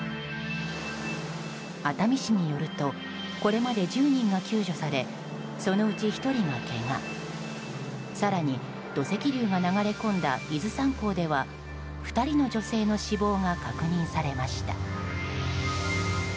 熱海市によるとこれまで１０人が救助されそのうち１人がけが更に、土石流が流れ込んだ伊豆山港では２人の女性の死亡が確認されました。